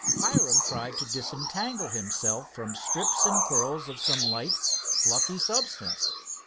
Hiram tried to disentangle himself from strips and curls of some light, fluffy substance.